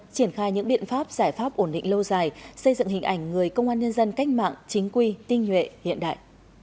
triển khai những biện pháp giải pháp ổn định lâu dài xây dựng hình ảnh người công an nhân dân cách mạng chính quy tinh nhuệ hiện đại